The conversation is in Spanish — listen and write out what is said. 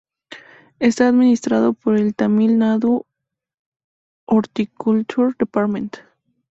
Está administrado por el "Tamil Nadu Horticulture Department".